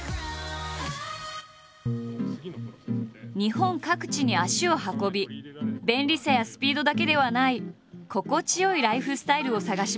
日本各地に足を運び便利さやスピードだけではない心地よいライフスタイルを探し求めている。